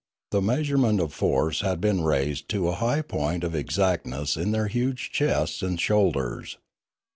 The measurement of force had been raised to a high point of exactness in their huge chests and shoulders.